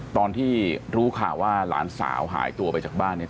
ตอนที่รู้ข่าวว่าหลานสาวหายตัวไปจากบ้านเนี่ย